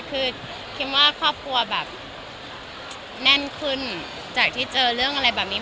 คือคิมว่าครอบครัวแบบแน่นขึ้นจากที่เจอเรื่องอะไรแบบนี้